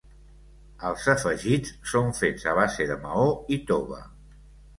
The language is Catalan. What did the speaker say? Els afegits són fets a base de maó i tova.